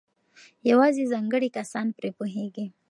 یوازې ځانګړي کسان پرې پوهېږي.